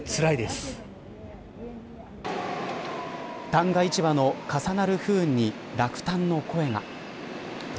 旦過市場の重なる不運に落胆の声が。